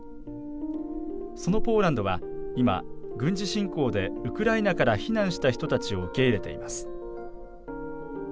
そのポーランドは、いま軍事侵攻でウクライナから避難した人たちを受け入れています。